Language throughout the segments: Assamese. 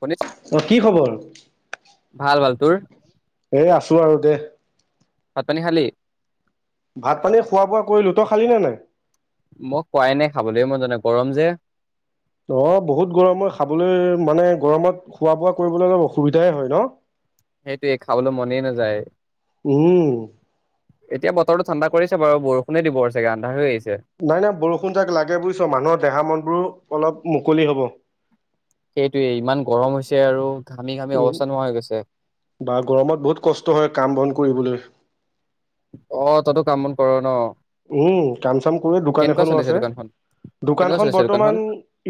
মনে অ কি খবৰ ভাল ভাল, তোৰ? এই আছোঁ আৰু দে। ভাত-পানী খালি? ভাত পানী খোৱা বোৱা কৰিলোঁ তই খালি নে নাই? মই খোৱাই নাই, খাবলৈ মন যোৱা নাই। গৰম যে! অ বহুত গৰম হয় খাবলৈ মানে গৰমত খোৱা বোৱা কৰিবলৈ অলপ অসুবিধাই হয় ন সেইটোৱেই, খাবলৈ মনেই নাযায়। উম এতিয়া বতৰটো ঠাণ্ডা কৰিছে বাৰু। বৰষুণে দিব আৰু চাগে আন্ধাৰ হৈ আহিছে। নাই নাই বৰষুণজাক লাগে বুজিছ। মানুহৰ দেহা-মনবোৰো অলপ মুকলি হ'ব। সেইটোৱেই, ইমান গৰম হৈছে আৰু ঘামি-ঘামি উম অৱস্থা নোহোৱা হৈ গৈছে। বা গৰমত বহুত কষ্ট হয় কাম বন কৰিবলৈ অ, তইটো কাম-বন কৰ ন। উম কাম-চাম কৰে। দোকান কেনেকুৱা এখনো চলিছে আছে। দোকানখন কেনেকুৱা দোকানখন চলিছে বৰ্তমান দোকানখন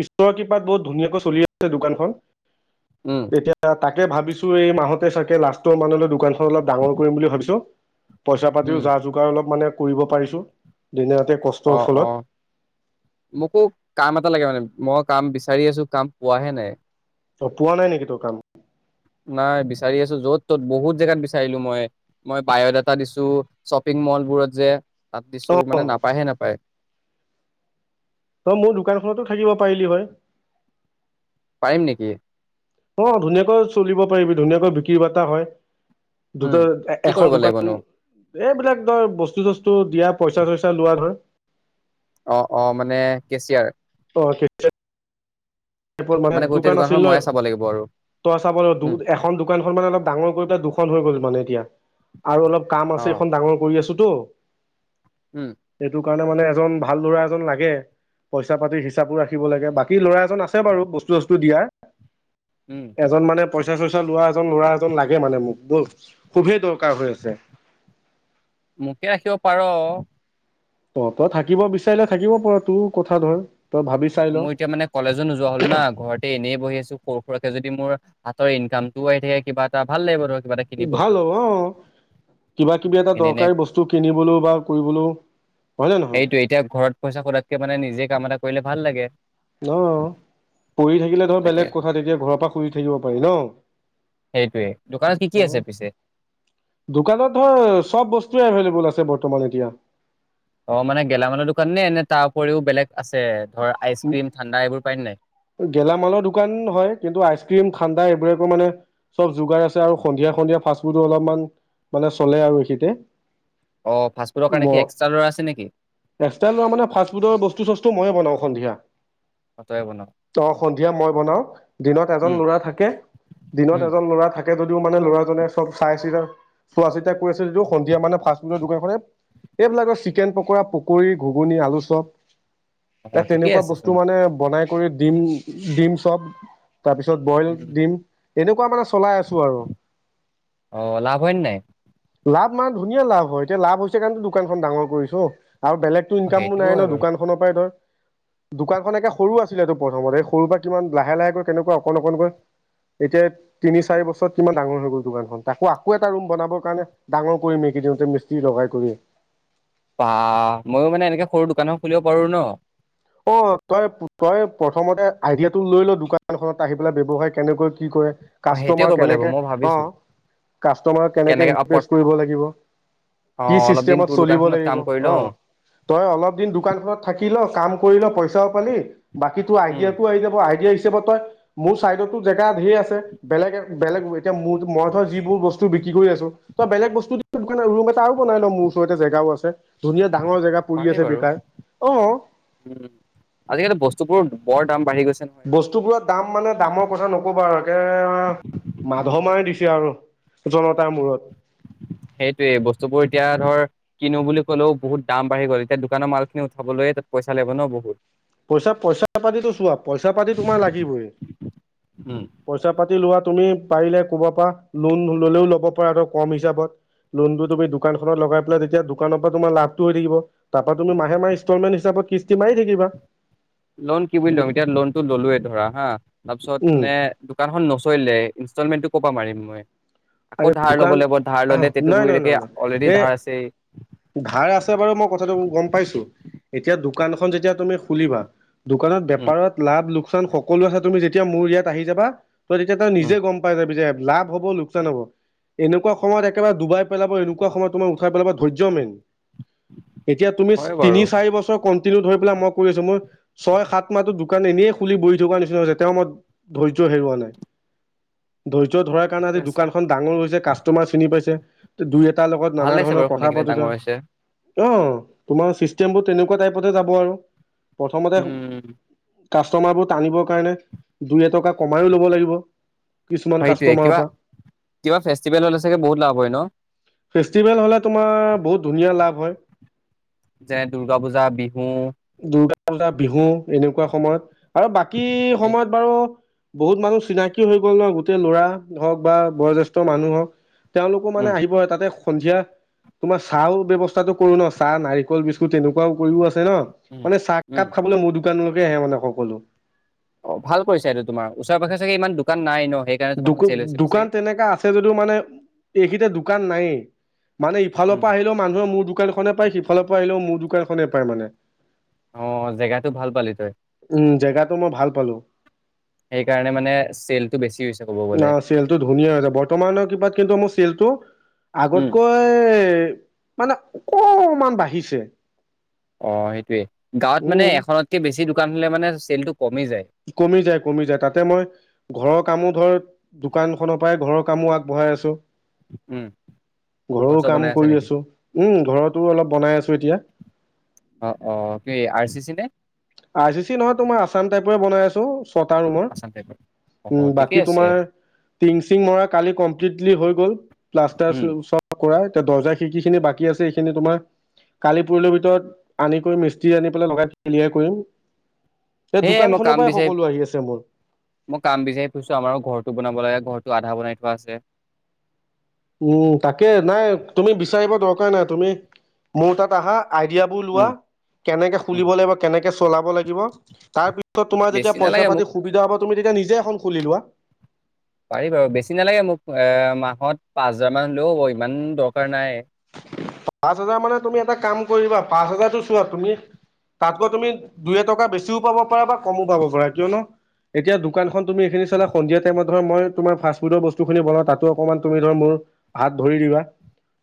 ঈশ্বৰৰ কৃপাত বহুত ধুনীয়াকৈ চলি আছে, দোকানখন উম এতিয়া তাকে ভাবিছো এই মাহতে চাগে লাষ্ট মানলৈ দোকানখন অলপ ডাঙৰ কৰিম বুলি ভাবিছো। পইচা উম পাতিও যা যোগাৰ অলপ মানে কৰিব পাৰিছোঁ। অ অ মোকো কাম এটা লাগে মানে মই কাম বিচাৰি আছোঁ কাম পোৱাহে নাই অ পোৱা নাই নেকি তোৰ কাম? নাই, বিচাৰি আছোঁ। য'ত-ত'ত বহুত জেগাত বিচাৰিলো মই। মই বাঅ 'ডাটা দিছো শ্বপিং মলবোৰত যে তাত অ দিছো মানে নাপাওঁ হয়। তই মোৰ দোকানখনতো থাকিব পাৰিলি হয়। পাৰিম নেকি? অ ধুনীয়াকৈ চলিব পাৰিবি, ধুনীয়াকৈ বিক্ৰী-বাৰ্তা হয়। উম, দুটা কি এখন কৰিব দোকান লাগিবনো? এইবিলাক ধৰ বস্তু-চস্তু দিয়া, পইচা-চইচা লোৱা ধৰ। অ, অ, মানে কেচিয়াৰ। অ কেচিয়াৰ ত মানে গোটেই দোকান দোকানখন আছিল ন, ময়ে চাব লাগিব আৰু তই চাব লাগিব উম, এখন দোকানখন মানে অলপ ডাঙৰ কৰি পেলাই দুখন হৈ গ'ল মানে এতিয়া আৰু অলপ কাম আছে অ', এখন ডাঙৰ কৰি আছোঁ দু উম। মানে এ ভাল ল'ৰা এজন লাগে পইচা পাতি হিচাপো ৰাখিব লাগে বাকী লৰা এজন অ বাৰু বস্তু সস্তু দিয়াৰ উম, এজন মানে পই পইচা চইচা লোৱা এজন লৰা এজন লাগে মানে মোক। বল খুবেই দৰকাৰ হৈ আছে। মোকে ৰাখিব পাৰ অহ তই থাকিব বিচাৰিলে থাকিব পাৰ তোৰ কথা ধৰ। তই ভাবি চাই ল মই এতিয়া মানে কলেজো নোযোৱা হ'লো না ঘৰতে এনেই বহি আছো। সৰু সুৰাকে যদি মোৰ হাতৰ ইনকাম টোও আহি থাকে কিবা এটা ভাল লাগিব ধৰ। কিবা এটা কিনিব ভাল হ'লেও। হব অ কিবা কিবি এটা এনে এনে দৰকাৰী বস্তু কিনিবলৈও বা কৰিবলৈও হয়নে নহয়? সেইটোৱে এতিয়া ঘৰত পইচা খোটাতকে মানে নিজে কাম এটা কৰিলে ভাল লাগে। ন পঢ়ি থাকিলে ধৰ তাকে বেলেগ কথা তেতিয়া ঘৰৰ পৰা শুই থাকিব পাৰি ন? সেইটোৱে দোকানত কি কি আছে অ' পিছে? দোকানত ধৰ চব বস্তু এভেইলেবল আছে। আছে বৰ্তমান এতিয়া। অ 'মানে গেলামালৰ দোকান নে নে তাৰ উপৰিও বেলেগ আছে আৰু গেলামালৰ দোকান হয় কিন্তু আইচক্ৰীম ঠাণ্ডা এইবোৰ একো মানে চব যোগাৰ আছে আৰু সন্ধিয়া সন্ধিয়া ফাষ্ট ফুডো অলপমান মানে চলে আৰু এইখিনিতে। অ', ফাষ্টফুডৰ ম কাৰণে কি এক্সট্ৰা ল'ৰা আছে নেকি? একসাই ল মানে ফাস্ট ফুডৰ বস্তু চস্তু মই বনাওঁ। সন্ধিয়া আ থই আইব না দিয়া মই বনাও। দিনত এজন ল'ৰা থাকে। দিনত উম এজন লৰা থাক এতিয়া যদিও মানে ল'ৰাজনে চব চাই চি চোৱা চিতা কৰি আছে যদিও সন্ধিয়া মানে ফাষ্ট ফুডৰ দোকান খনে এইবিলাকৰ চিকেন পকৰা, পকৰি, ঘুগুনি, আলু চপ। অ এ ঠিকেই তেনেকুৱা আছে বস্তু চোন মানে বনায়। কৰি দিম দিম চব। তাৰপিছত বইল উম দিম। এনেকুৱা মানে চলাই আছ আৰু। অ লাভ হয় নে নাই অ' ধুনীয়া লাভ হয় এতিয়া লাভ হৈছে কাৰণে দোকানখন ডাঙৰ কৰিছো। আৰু বেলেগতো অ ইনকামো সেইটোও নাই হয় ন বাৰু দোকান খনৰ পৰাই ধৰ দোকানখন একে সৰু আছিলেটো প্ৰথমতে এই সৰু পৰা কিমান লাহে লাহেকৈ কেনেকা অকন অকনকৈ এতিয়া তিনি চাৰি বছৰত কিমান ডাঙৰ হৈ গ'ল। দোকানখন তাকো আকৌ এটা ৰুম বনাবৰ কাৰণে ডাঙৰ কৰিম এইকেদিনতে মিস্ত্ৰী লগাই কৰি। বাহ ময়ো মানে এনেকে সৰু দোকানো খুলিব পাৰো ন। অ' তই, তই প্ৰথমতে আইডিয়াটো লৈ ল দোকানখনত আহি পেলাই ব্যৱসায় কেনেকৈ কি কৰে। অ সেইটোৱে কাষ্টমাৰ কৰিব লাগিব কেনেকে মই অ' ভাবিছো কাস্টমাৰক কেনেকে অ পত ইমপ্ৰেস কৰিব লাগিব অ কি অলপ দিন চিস্টেমত তোৰ চলিব দোকানখনত লাগিব কাম কৰি লও অ', তই অলপ দিন দোকান খনত থাকি। কৰি ল কাম কৰিল পইচাও পালি বাকীতো উম আইডিয়াটো আহি যাব। আইডিয়া তই মোৰ চাইডতো জেগা ঢেৰ আছে। বেলেগে- বেলেগ এতিয়া মোৰ- মইতো যিবোৰ বস্তু বিক্ৰী কৰি আছোঁ, তই বেলেগ বস্তু দি দোকানে- ৰুম এটা আৰু বনাই ল' মোৰ ওচৰতে, জেগাও আছে। ধুনীয়া ডাঙৰ জেগা পৰি পাৰি আছে বাৰু বেকাৰ, অ'। উম আজিকালি বস্তুবোৰৰ বৰ দাম বাঢ়ি গৈছে। নহয় বস্তুবোৰত দাম মানে দামৰ কথা নকবা আৰু। একে মাধমাৰি দিছে আৰু। জনতাৰ মূৰত। সেইটোৱে। বস্তুবোৰ এতিয়া ধৰ কিনো বুলি ক'লেও বহুত দাম বাঢ়ি গ'ল, এতিয়া দোকানৰ মালখিনি উঠাবলৈয়ে তাত পইচা লাগিব ন' বহুত। পইচা- পইচা-পাতিটো চোৱা। পইচা-পাতি তোমাৰ লাগিবই। উম পইচা-পাতি লোৱা তুমি পাৰিলে কবাৰ পৰা লোন নললেও, ল'ব পৰা কম হিচাপত, লোনতটো তুমি দোকানখনত লগাই পেলাই তেতিয়া দোকানৰ পৰা তোমাৰ লাভটো হৈ থাকিব, তাৰ পৰা তুমি মাহে মাহে ইনষ্টলমেন্ট হিচাপত কিস্তি মাৰি থাকিবা। লোন কি বুলি লম? এতিয়া লোনটো ল'লোৱে ধৰা হা। তাৰপিছত উম মানে দোকানখন নচলিলে, ইনষ্টলমেন্টটো ক'ৰ পৰা মাৰিম মই? আকৌ ধাৰ ল'ব দোকান লাগিব ধাৰ ল'লে টেটুগুৰিলৈকে নহয়-নহয়-নহয়-নহয়। অলৰেডি এই ধাৰ আছেই। ধাৰ আছে বাৰু মই কথাটো গম পাইছোঁ। এতিয়া দোকানখন যেতিয়া তুমি খুলিবা, দোকানত উম, বেপাৰত লাভ লোক লোকচান সকলো [unintelligible] তুমি যেতিয়া মোৰ ইয়াত আহি যাবা তই তেতিয়া তই উম, নিজে গম পাই যাবি যে লাভ হ'ব লোক টান হ'ব। এনেকুৱা সময়ত একেবাৰে ডুবাই পেলাব, এনেকুৱা সময়ত তোমাৰ উঠাই পেলাব, ধৈৰ্য মেইন। এতিয়া তুমি হয় বাৰু। তিনি-চাৰি বছৰ ক তিল ধৰি পেলাই মই কৰি আছোঁ। মোৰ ছয়-সাত মাহতো দোকান এনেইে খুলি বহি থকা নিচিনা হৈছে। এতিয়াও মই ধৈৰ্য হেৰুওৱা নাই। ধৈৰ্য্য ধৰাৰ কাৰণে ঠিকে আজি দো আছে দোকানখন ডাঙৰ হৈছে, কাষ্টমাৰ চিনি পাইছে। দুই-এট তাৰ লগত ভাল নানা লাগিছে ধৰণৰ বাৰু শুনি কথা কিনে পাতোতে ডাঙৰ হৈছে। অ' তোমাৰ চিষ্টেমবোৰ তেনেকুৱা টাইপতে যাব আৰু। প্ৰথমতে উম। কাষ্টমাৰবোৰ টানিবৰ কাৰণে দুই-এটকা কমাইও ল'ব লাগিব। কিছুমান সেইটোৱে কাষ্টমাৰৰ কিবা পৰা। কিবা ফেষ্টিভেল হ'লে চাগে বহুত লাভ হয় ন'? ফেষ্টিভেল হ'লে তোমাৰ বহুত ধুনীয়া লাভ হয়। যেনে দুৰ্গা পূজা, বিহু। আলা বিহু এনেকুৱা সময়ত। আৰু বাকী সময়ত বাৰু বহুত মানুহ চিনাকি হৈ গ'ল নহ, গোটেই ল'ৰা হওক বা বয়োজেষ্ঠ মানুহ হওক তেওঁলোকো মানে উম, আহিব সন্ধিয়া তোমাৰ চাহৰ ব্যৱস্থাটো কৰো ন, চাহ, নাৰিকল বিস্কুট তেনেকুৱাও কৰিও আছে। ন উম, মানে উম। চাহকাপ খাবলৈ মধু দোকানলৈকে আহে মানে সকলো। অ ভাল কৰিছা এইটো। তোমাৰ ওচৰে-পাজৰে চাগে ইমান দোকান নাই ন? সেইকাৰণে দোক তোমাৰখন চেল হৈছে বেছি। দোকান তেনেকা আছে যদিও মানে এইখিতে দোকান নাইয়ে। মানে ইফালৰ উম। পৰা আহিলেও মানুহে মোৰ দোকানখনে পায়, সিফালৰ পৰা আহিলেও মোৰ দোকানখনে পায় মানে। অহ, জেগাটো ভাল পালি তই। উম জেগাটো মই ভাল পালো সেইকাৰণে মানে চেলটো বেছি হৈছে। ক'ব ন গ'লে। চেলটো ধুনীয়া হৈছে। বৰ্তমানৰ কৃপাত কিন্তু মোৰ চেলটো উম। আগতকৈ মানে অকমান বাঢ়িছে। অ' সেইটোৱে। গাঁৱত মানে উম এখনতকে বেছি দোকান হ'লে মানে চেলটো কমি যায়। কমি যায়, কমি যায়। তাতে মই ঘৰৰ কামো ধৰ দোকানখনৰ পৰাই ঘৰৰ কামো আগবঢ়াই আছোঁ। উম। ঘৰৰ ঘৰ-চৰ কাম বনাই আছা কৰি নেকি? আছো। উম, ঘৰটো অলপ বনাই আছো। তো এতিয়া? অ অ, কি আৰ চি চি নে? আৰ চি চি নহয়, তোমাৰ আচাম টাইপহে বনাই আছো। ছটা ৰুমৰ। আছাম টাইপৰ? অ', ঠিকেই বাকী আছে, তোমাৰ টিঙ-চিঙ মৰা কালি কম্প্লিতলি হৈ ক'ল প্লাষ্টাৰ উম। শ্ল [unintelligible] কৰা এতিয়া। দৰ্জা-খিৰিকিখিনি বাকী আছে। এইখিনি তোমাৰ কালি-পৰহিলৈ ভিতৰত আনি কৰি মিস্ত্ৰী আনি পেলাই লগাই ক্লিয়াৰ কৰিম। এই সেয়ে মই দোকানখনৰ কাম পৰাই বিচাৰি- সকলো আহি আছে মোৰ। মই কাম বিচাৰি ফুৰিছোঁ। আমাৰো ঘৰটো বনাব লাগে। ঘৰটো আ ন্ধা বনাই থোৱা আছে। উম, তাকে। নাই, তুমি বিচাৰিব দৰকাৰ নাই। তুমি মোৰ তাত আহা আইডিয়াবোৰ লোৱা উম, কেনেকে উম। খুলিব লাগিব, কেনেকে চলাব লাগিব, তাৰ পাছত তোমাৰ যেতিয়া বেছি নালাগে মোক পইচা-পাতি সুবিধা হ'ব তুমি তেতিয়া নিজে এখন খুলি লোৱা। পাৰি বাৰু, বেছি নালাগে মোক এ মাহত পাঁচ হাজাৰ মান হ'লেও হ'ব। ইমান দৰকাৰ নাই। পাঁচ হাজাৰ মানে তুমি এটা কাম কৰিবা, পাঁচ হাজাৰ চোৱা তুমি তাতকৈ তুমি দুই-এটকা বেছিও পাব পাৰা বা কমো পাব পাৰা। কিয়নো এতিয়া দোকানখন তুমি এইখিনি চালে সন্ধিয়া টাইমত মই তোমাৰ ফ্ৰাষ্ট ফুটৰ বস্তুখিনি বনাও তাতো অকমান তুমি ধৰা মোৰ হাত ধৰি দিবা।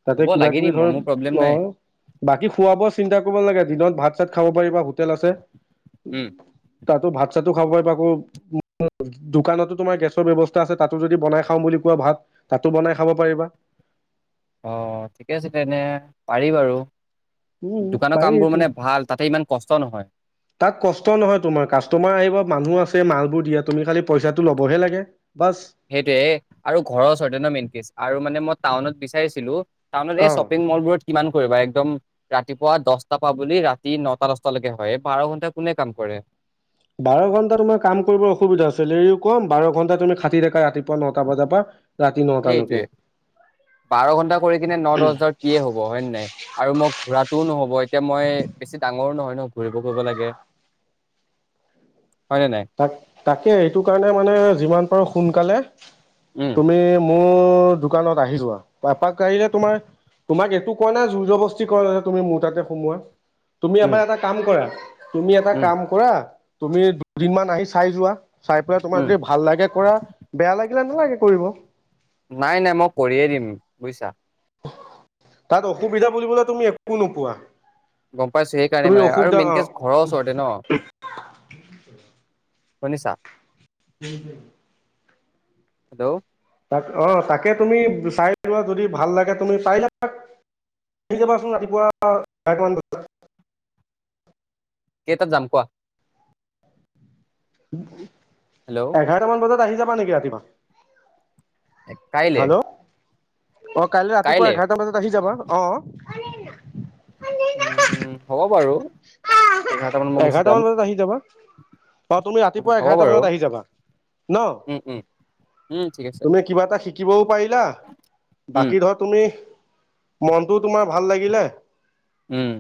তাতে হ'ব লাগি কিবা-কিবি দিম মই মোৰ প্ৰব্লেম ধৰক নাই, অ'। বাকী খোৱা-বোৱা চিন্তা কৰিব নালাগে। দিনত ভাত-চাত খাব পাৰিবা হোটেল আছে। উম। তাতো ভাত-চাতো খাব পাৰিবা। আকৌ [unintelligible] দোকানতো তোমাৰ গেছৰ ব্যৱস্থা আছে। তাতো যদি বনাই খাওঁ বুলি কোৱা ভাত, তাতো বনাই খাব পাৰিবা। অ' ঠিকে আছে তেনে। পাৰি বাৰু। উম, দোকানৰ পাৰি কামবোৰ ইটো। মানে ভাল তাতে ইমান কষ্ট নহয়। তাত কষ্ট নহয় তোমাৰ, কাষ্টমাৰ আহিব, মানুহ আছে, মালবোৰ দিয়াত তুমি খালি পইচাটো ল'বহে লাগে। বাছ সেইটোয়ে আৰু ঘৰৰ ওচৰতে ন মেইন কেচ আৰু মানে মই টাউনত বিচাৰিছিলো। টাউনত অ এই শ্বপিং মল বোৰত কিমান কৰিবা এক একদম ৰাতিপুৱা দশটাৰ পৰা বুলি ৰাতি নটা-দশটালৈকে হয়। এই বাৰ' ঘন্টা কোনে কাম কৰে? বাৰ ঘণ্টা তোমাৰ কাম কৰিবৰ অসুবিধা আছিল এই কম বাৰ' ঘণ্টা তুমি খাটি থাকা ৰাতি পুৱা ন'টা বজাৰ পৰা ৰা ৰাতি নটালৈকে। সেইটোৱে বাৰ' ঘন্টা কৰিকিনে ন-দহ হাজাৰত কিয়ে হব, হয় নে নাই? আৰু মোক ঘূৰাটোও নহ'ব এতিয়া। মই বেছি ডাঙৰো নহয় ন', ঘূৰিব কৰিব লাগে। হয় নে নাই তাক তাকে এইটো কাৰণে মানে যিমান পাৰো সোনকালে উম তুমি মোৰ দোকানত আহি যোৱা। এপাক আহিলে তোমাৰ- তোমাক এইটো কোৱা নাই, জুৰবস্তি কৰা নাই, তুমি মোৰ তাতে সোমোৱা। তুমি উম এবাৰ এটা কাম কৰা। তুমি এটা উম কাম কৰা। তুমি দুদিনমান আহি চাই যোৱা। চাই পেলাই তোমাৰ উম যদি ভাল লাগে কৰা। বেয়া লাগি নোৱাৰা, নালাগে কৰিব। নাই - নাই। মই কৰিয়ে দিম বুজিছা? তাত অসুবিধা বুলিবলৈ তুমি একো নোপোৱা। গম পাইছো সেইকাৰণে তুমি মানে আৰু অসুবিধা অ মেইন কেছ ঘৰৰ ওচৰতে ন। শুনিছা? হ হ। হেল্ল'? তাক- অ' তাকে তুমি চাই লোৱা যদি ভাল লাগে। তুমি পাৰিলে এপাক আহি যাবাচোন ৰাতিপুৱা চাৰিটামান বজাত। কেইটাত যাম কোৱা। উ। হেল্ল' এঘাৰটা মান বজাত আহি যা শুৱা নেকি ৰাতিপুৱা? এ কাইলে? হেল্ল' অ' কাইলৈ ৰাতিপুৱা কাইলে এঘাৰটা বজাত আহি যাবা। অ'! উম- উম। হ'ব বাৰু। এঘাৰটা মানত মই গুচি এঘাৰটা যাম। মান বজাত আহি যাবা। অ' তুমি উম, ৰাতিপুৱা হ'ব এঘাৰটা বাৰু বজাত আহি যাবা, ন'? উম, উম, উম, ঠিক আছে তুমি কিবা এটা শিকিবও পাৰিলা, উম, বাকী ধৰ তুমি মনটোও তোমাৰ ভাল লাগিলে, উম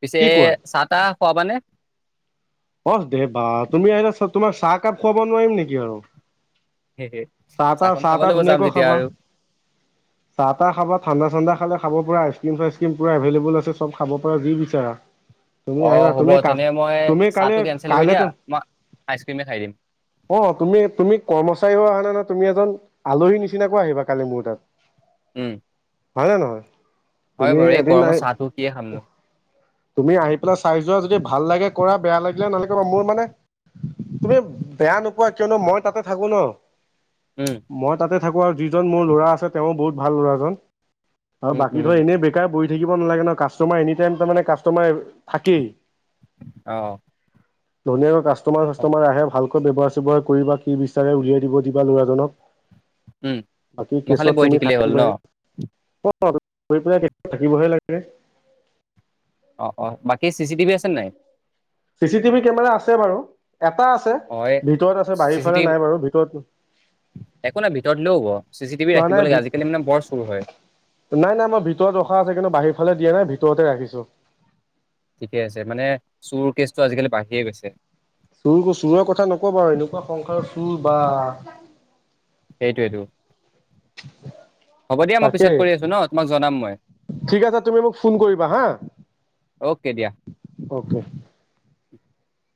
পিছে কি কোৱা চাহ-তাহ খোৱাবানে? অ' দে। বা তুমি আহিলে চ- তোমাৰ চাহ একাপ খুৱাব নোৱাৰিম নেকি আৰু? হেঁ-হেঁ চাহ চাহখন খাব লাগিব, যাম যেতিয়া আৰু। চাহ-তাহ খাবা, ঠাণ্ডা-চাণ্ডা খালে খাব পাৰা, আইচক্ৰীম-চাইচক্ৰীম পুৰা এভেইলেবল আছে। চব খাব পাৰা, যি বিচাৰা। তুমি আহিবা অ' হ'ব। তুমি কা তেনে মই তুমি চা কালি কাইলেতো, দিম। অ' তুমি-তুমি কৰ্মচাৰী হৈ অহা নাই নহয়! তুমি এজন আলহী নিচিনাকৈ আহিবা কালি মোৰ তাত। উম হয় নে নহয়? হয় তুমি বাৰু এই এদিন নাই। গৰমত চাহটো কিয়ে খামনো তুমি আহি পেলাই চাই যোৱা, যদি ভাল লাগে কৰা বেয়া লাগিলে নালাগে ৰ'। মোৰ মানে- তুমি বেয়া নোপোৱা কিয়নো মই তাতে থাকো ন'। উম, মই তাতে থাকো আৰু যিজন মোৰ ল'ৰা আছে তেৱোঁ বহুত ভাল ল'ৰাজন। আৰু উম, উম, বাকীতো এনেই বেকাৰ বহি থাকিব নালাগে নই কাষ্টমাৰ এনি টাইম তামানে কাষ্টমাৰ, থাকেই। অ'। ধুনীয়াকৈ কাষ্ট ষ্টমাৰ-চাষ্টমাৰ আহে, ভাল ব্যৱহাৰ-চব্যহাৰ কৰিবা, কি বিচাৰে উলিয়াই দিব দিবা ল'ৰাজনক। উম। বাকী মই খালি কেছত বহি তুমি থাকিলেই হ'ল থাকিবাই ন'? [unintelligible] থাকিবহে লাগে। অ'- অ' বাকী চি চি টিভি আছে নে নাই? চি চি টিভি কেমেৰা আছে বাৰু। এটা আছে। অ', এই ভিতৰত আছে চি বাহিৰ চি ফালে টিভি নাই বাৰু! ভিতৰত ও, একো নাই ভিতৰত দিলেও হ'ব চি চি টিভি হোৱা ৰাখিব নাই লাগে আজিকালি ভিত, মানে বৰ চুৰ হয়। নাই নাই মই ভিতৰত ৰখা আছে কিন্তু বাহিৰ ফালে দিয়া নাই ভিতৰত তে ৰাখিছোঁ। ঠিকে আছে। মানে চোৰ কেচটো আজিকালি বাঢ়িয়ে গৈছে। চোৰ চোৰৰ কথা নকবা আৰু এনেকুৱা সংসাৰ চোৰ বা। সেইটো এইটো তাকে। কৰি আছো ন তোমাক জনাম মই ঠিক আছে, তুমি মোক ফোন কৰিবা হা? অ'কে দিয়া অ'কে। [inaudible]